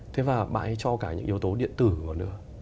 thế và bãi cho cả những yếu tố điện tử vào nữa